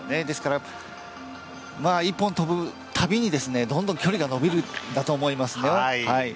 ですから、１本飛ぶたびにどんどん距離が延びるんだと思います。